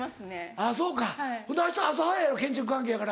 あぁそうか。明日朝早いやろ建築関係やから。